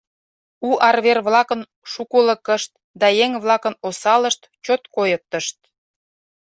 У арвер-влакын шукылыкышт да еҥ-влакын осалышт чот койыктышт.